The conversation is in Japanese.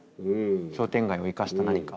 商店街を生かした何か。